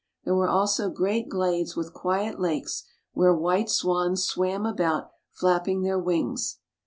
There were also great glades with quiet lakes, where white swans swam about flapping their wings.